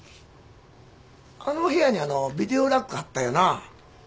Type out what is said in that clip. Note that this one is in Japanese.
あの部屋にビデオラックあったよな？